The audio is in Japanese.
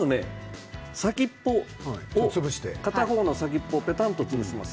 片方の先っぽをぺたんと潰します。